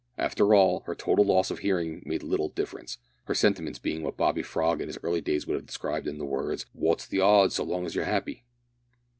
After all, her total loss of hearing made little difference, her sentiments being what Bobby Frog in his early days would have described in the words, "Wot's the hodds so long as you're 'appy?"